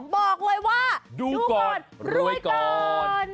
บอกเลยว่าดูก่อนรวยก่อน